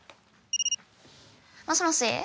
もしもし？